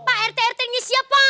pak rete rtengnya siapa